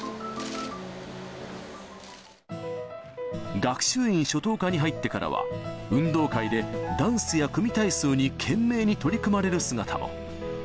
学習院初等科に入ってからは、運動会でダンスや組み体操に懸命に取り組まれる姿も。